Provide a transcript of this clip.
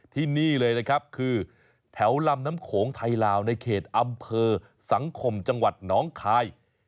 ที่นี่เลยนะครับคือแถวลำน้ำโขงไทยลาวในเขตอำเภอสังคมจังหวัดน้องคาย